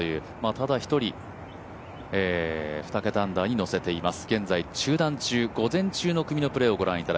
ただ１人、２桁アンダーにのせています。